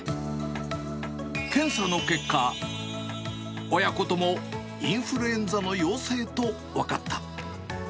検査の結果、親子ともインフルエンザの陽性と分かった。